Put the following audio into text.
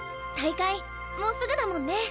大会もうすぐだもんね。